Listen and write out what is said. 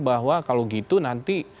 bahwa kalau gitu nanti